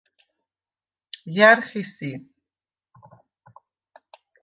ჲა̈რ ხი სი?